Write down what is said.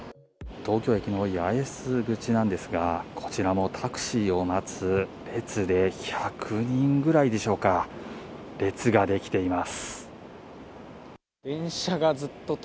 東京駅の八重洲口なんですが、こちらもタクシーを待つ列で１００人くらいでしょうか、列ができています。